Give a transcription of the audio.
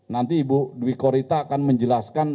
nanti ibu dwi korita akan menjelaskan